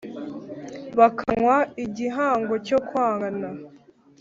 bakanywa igihango cyo kwangana